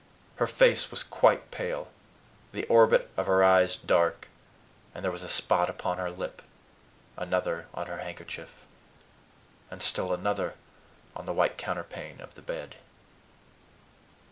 Her face was quite pale, the orbit of her eyes dark; and there was a spot upon her lip, another on her handkerchief, and still another on the white counterpane of the bed.